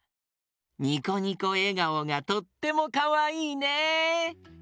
ニコニコえがおがとってもかわいいね。